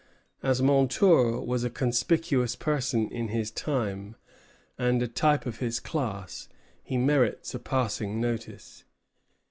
As Montour was a conspicuous person in his time, and a type of his class, he merits a passing notice.